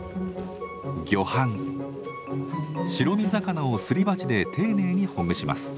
白身魚をすり鉢で丁寧にほぐします。